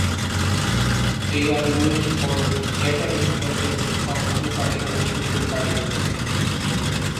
They are used for scattering processes of two particles to two particles.